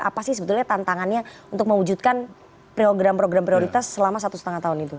apa sih sebetulnya tantangannya untuk mewujudkan program program prioritas selama satu setengah tahun itu